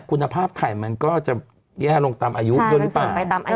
คุณภาพไข่มันก็จะแย่ลงตามอายุด้วยหรือเปล่า